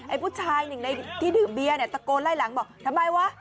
ผู้ชายหนึ่งในที่ดื่มเบียร์เนี่ยตะโกนไล่หลังบอกทำไมวะ